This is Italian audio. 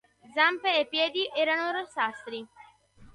Zampe e piedi erano rossastri.